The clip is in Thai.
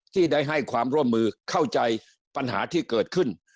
ที่ได้ให้ความร่วมมือเข้าใจกับปัญหาที่เกิดขึ้น